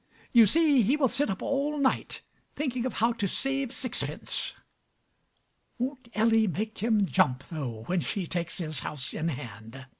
You see, he will sit up all night thinking of how to save sixpence. Won't Ellie make him jump, though, when she takes his house in hand!